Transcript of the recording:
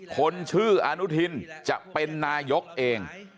คนชื่ออนุทินจะเป็นนายกเอง